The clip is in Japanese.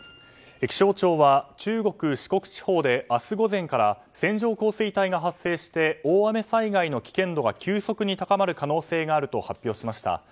気象庁は中国・四国地方で明日午前から線状降水帯が発生して大雨災害の危険度が急速に高まる可能性があると発表しました。